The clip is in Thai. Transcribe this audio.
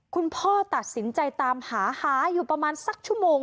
คุณพ่อตัดสินใจตามหาหาอยู่ประมาณสักชั่วโมง